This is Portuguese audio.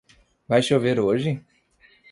Vai chover hoje?